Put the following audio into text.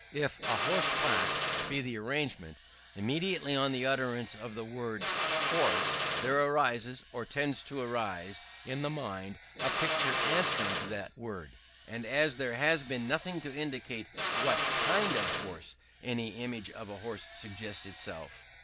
If "a horse black" be the arrangement, immediately on the utterance of the word "horse," there arises, or tends to arise, in the mind, a picture answering to that word; and as there has, been nothing to indicate what kind of horse, any image of a horse suggests itself.